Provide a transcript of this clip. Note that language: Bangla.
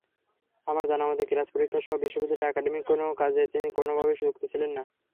আমার জানামতে ক্লাস, পরীক্ষাসহ বিশ্ববিদ্যালয়ের একাডেমিক কোনো কাজে তিনি কোনোভাবেই যুক্ত ছিলেন না।